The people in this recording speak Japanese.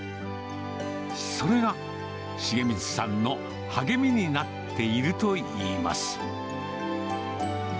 それが、重光さんの励みになっているといいます。